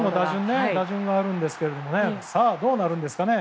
打順があるんですけどさあどうなるんですかね。